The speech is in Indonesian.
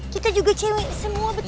kita juga cewek semua betiga